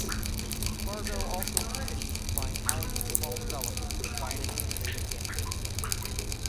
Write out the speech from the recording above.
Fargo also continued to find talented small developers designing innovative games.